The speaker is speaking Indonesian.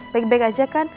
baik baik aja kan